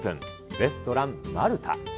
レストランマルタ。